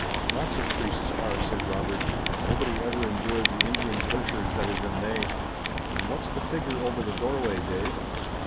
"Lots of priests are," said Robert. "Nobody ever endured the Indian tortures better than they. And what's the figure over the doorway, Dave?"